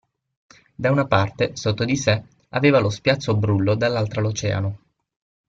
Da una parte, sotto di sé, aveva lo spiazzo brullo, dall'altra l'oceano.